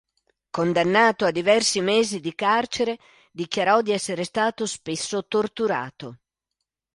Condannato a diversi mesi di carcere, dichiarò di essere stato spesso torturato.